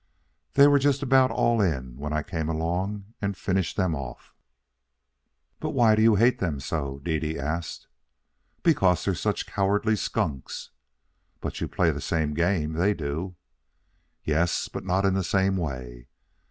They were just about all in when I came along and finished them off." "But why do you hate them so?" Dede asked. "Because they're such cowardly skunks." "But you play the same game they do." "Yes; but not in the same way."